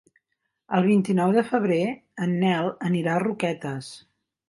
El vint-i-nou de febrer en Nel anirà a Roquetes.